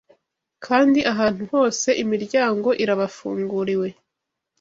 kandi ahantu hose imiryango irabafunguriwe.